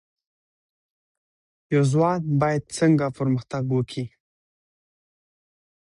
پښتو ژبه زموږ ژوند دی.